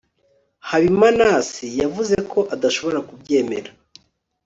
habimanaasi yavuze ko adashobora kubyemera